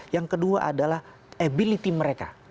yang kedua adalah ability mereka